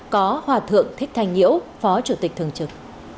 có hòa thượng thích thanh nhiễu phó chủ tịch thường trực